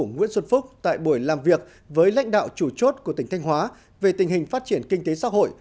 nguyễn xuân phúc tại buổi làm việc với lãnh đạo chủ chốt của tỉnh thanh hóa về tình hình phát triển kinh tế xã hội